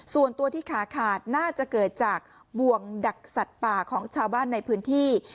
ส่วนตัวที่ขาขาดน่าจะเกิดจากบ่วงดักสัตว์ป่าของชาวบ้านในพื้นที่